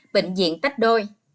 bệnh viện tách đôi